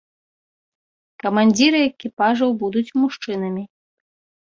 Камандзіры экіпажаў будуць мужчынамі.